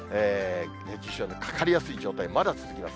熱中症にかかりやすい状態、まだ続きます。